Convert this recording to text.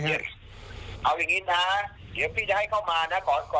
เอาอย่างนี้นะเดี๋ยวพี่จะให้เข้ามานะ